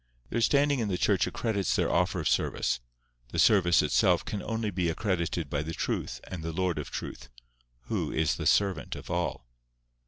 Their standing in the church accredits their offer of service: the service itself can only be accredited by the Truth and the Lord of Truth, who is the servant of all.